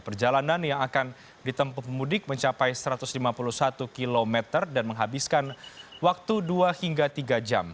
perjalanan yang akan ditempuh pemudik mencapai satu ratus lima puluh satu km dan menghabiskan waktu dua hingga tiga jam